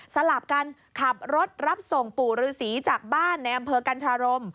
สลับกันขับรถรับส่งปู่ฤษีจากบ้านในอำเภอกัญชารม